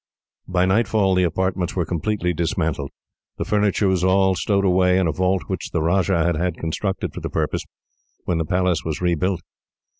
By nightfall, the apartments were completely dismantled. The furniture was all stowed away, in a vault which the Rajah had had constructed for the purpose, when the palace was rebuilt.